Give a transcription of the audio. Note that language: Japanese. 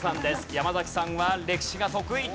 山崎さんは歴史が得意。